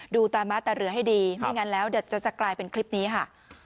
ตาม้าตาเรือให้ดีไม่งั้นแล้วเดี๋ยวจะกลายเป็นคลิปนี้ค่ะ